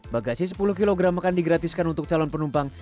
bagasi sepuluh kg akan digratiskan untuk calon penumpang